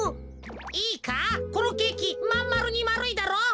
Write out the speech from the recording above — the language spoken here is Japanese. いいかこのケーキまんまるにまるいだろう。